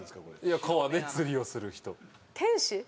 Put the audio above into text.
いや川で釣りをする人。